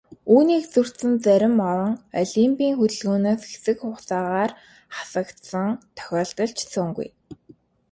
Үүнийг зөрчсөн зарим орон олимпын хөдөлгөөнөөс хэсэг хугацаагаар хасагдсан тохиолдол ч цөөнгүй.